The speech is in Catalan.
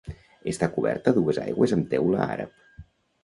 Està coberta a dues aigües amb teula àrab.